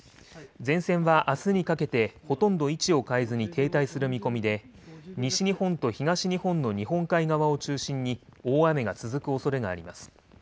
前線はあすにかけて、ほとんど位置を変えずに停滞する見込みで、西日本と東日本の日本海側を中心に大雨が続くおそれがあります。